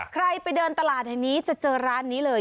ใครไปเดินตลาดแห่งนี้จะเจอร้านนี้เลย